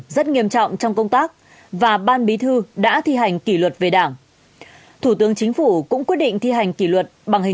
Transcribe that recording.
xin chào và hẹn gặp lại